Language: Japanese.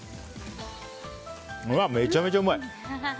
うわ、めちゃめちゃうまい！